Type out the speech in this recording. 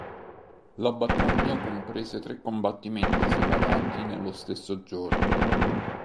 La battaglia comprese tre combattimenti separati nello stesso giorno.